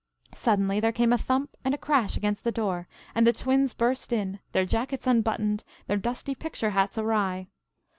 Suddenly there came a thump and a crash against the door and the twins burst in, their jackets unbuttoned, their dusty picture hats awry.